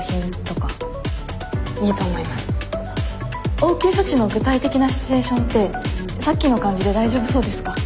応急処置の具体的なシチュエーションってさっきの感じで大丈夫そうですか？